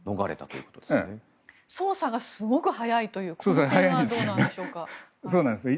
捜査がすごく早いというこの点はどうなんでしょうか。